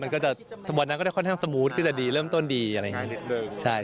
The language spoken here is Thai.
มันก็จะสบอร์ดนั้นก็จะค่อนข้างสมูทก็จะดีเริ่มต้นดีอะไรอย่างนี้